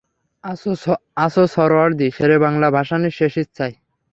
আছো সরোয়ার্দী, শেরেবাংলা, ভাসানীর শেষ ইচ্ছায়।